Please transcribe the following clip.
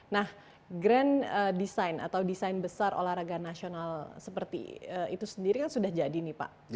nah grand design atau desain besar olahraga nasional seperti itu sendiri kan sudah jadi nih pak